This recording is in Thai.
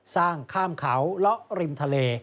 สร้างข้ามเขาเลาะริมทะเล